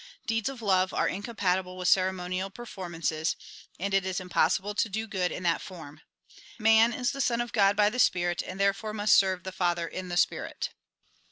Deeds of love are incompatible with ceremonial performances, and it is impossible to do good in that form. Man is the son of God by the spirit, and therefore must serve the Father in the spirit."